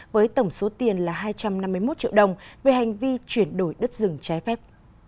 với tổng số tiền là hai trăm năm mươi một triệu đồng về hành vi chuyển đổi đất rừng trái phép